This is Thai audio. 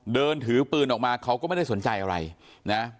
เดินถือปืนออกมาเขาก็ไม่ได้สนใจอะไรนะ